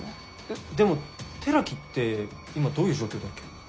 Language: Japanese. えっでも寺木って今どういう状況だっけ？